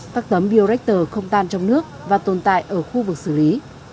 các tấm bioreactor không tan trong nước và tồn tại ở khu vực xử lý